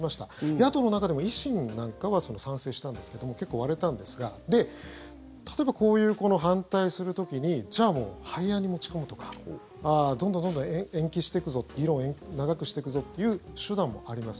野党の中でも維新なんかは賛成したんですけども結構割れたんですがで、例えばこういう反対する時にじゃあもう廃案に持ち込むとかどんどんどんどん延期していくぞ議論を長くしていくぞっていう手段もあります。